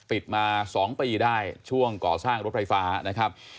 ปิดมา๒ปีได้ช่วงก่อสร้างรถไฟฟ้านะครับ